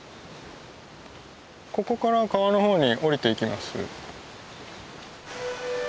ここから川の方に下りていきます。